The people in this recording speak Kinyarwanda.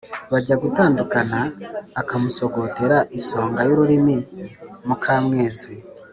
bwajya gutandukana akamusogota isonga y'ururimi muka mwezi;